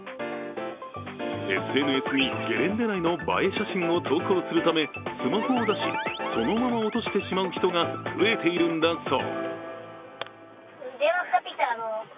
ＳＮＳにゲレンデ内の映え写真を投稿するためスマホを出し、そのまま落としてしまう人が増えているんだそう。